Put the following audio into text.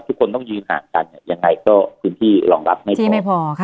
ทุกคนต้องยืนห่างกันเนี่ยยังไงก็พื้นที่รองรับไม่พอค่ะ